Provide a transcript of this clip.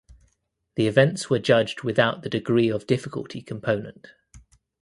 The events were judged without the degree of difficulty component.